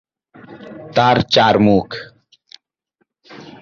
তার চার মুখ।